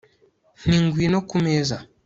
nti ngwino ku meza